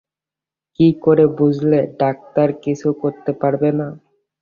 কী করে বুঝলে ডাক্তার কিছু করতে পারবে না?